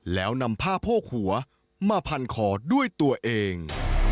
แล้วนำผ้าโพกหัวมาพันคอด้วยตัวเอง